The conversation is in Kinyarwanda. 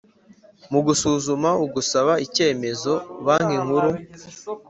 Mu gusuzuma ugusaba icyemezo Banki Nkuru